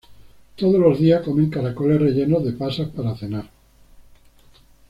Todos los días comen caracoles rellenos de pasas para cenar.